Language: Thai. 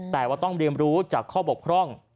แต่ว่าต้องเรียนรู้จากข้อบกพร่อง